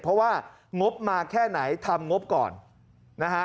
เพราะว่างบมาแค่ไหนทำงบก่อนนะฮะ